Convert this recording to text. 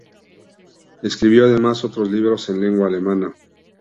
Escribió, además, otros libros en lengua alemana.